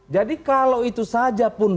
jadi kalau itu saja pun